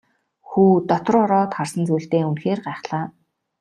Хүү дотор ороод харсан зүйлдээ үнэхээр гайхлаа.